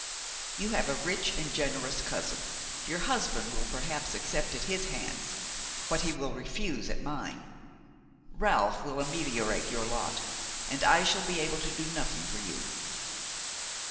You have a rich and generous cousin: your husband will perhaps accept at his hands what he will refuse at mine. Ralph will ameliorate your lot, and I shall be able to do nothing for you!